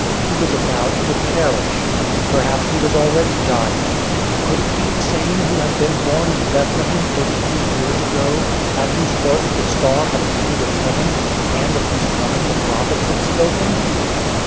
He was about to perish. Perhaps he was already dying. Could it be the same who had been born in Bethlehem, thirty three years ago, at whose birth the star had appeared in heaven, and of whose coming the prophets had spoken?